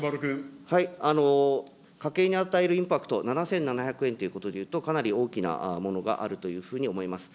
家計に与えるインパクト、７７００円ということでいうと、かなり大きなものがあるというふうに思います。